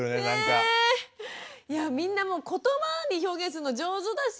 いやみんなもう言葉に表現するの上手だし。